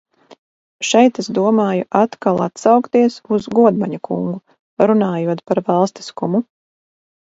Šeit es domāju atkal atsaukties uz Godmaņa kungu, runājot par valstiskumu.